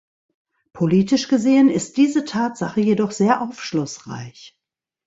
Politisch gesehen ist diese Tatsache jedoch sehr aufschlussreich.